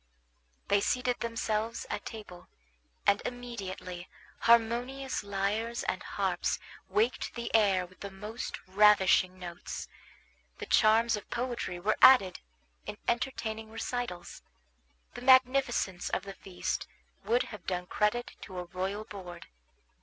They seated themselves at table, and immediately harmonious lyres and harps waked the air with the most ravishing notes. The charms of poetry were added in entertaining recitals; the magnificence of the feast would have done credit to a royal board.